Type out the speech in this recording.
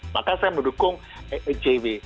maka saya mendukung ejw